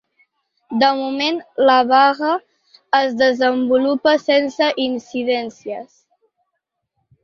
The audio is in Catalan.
De moment, la vaga es desenvolupa sense incidències.